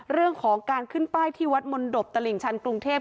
เรื่องของการขึ้นป้ายที่วัดมนตบตลิ่งชันกรุงเทพ